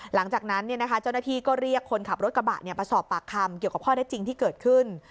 หลังจากนั้นเจ้าหน้าที่ก็เรียกคนขับรถกระบะมาสอบปากคำเกี่ยวกับข้อได้จริงที่เกิดขึ้น